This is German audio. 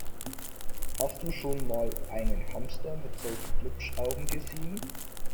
Hast du schon mal einen Hamster mit solchen Glupschaugen gesehen?